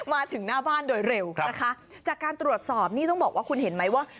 มาถึงหน้าบ้านโดยเร็วนะคะจากการตรวจสอบนี่ต้องบอกว่าคุณเห็นไหมว่า